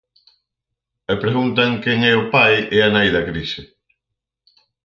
E preguntan quen é o pai e a nai da crise.